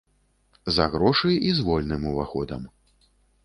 За грошы і з вольным уваходам.